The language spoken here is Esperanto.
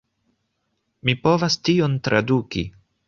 Mi povas tion traduki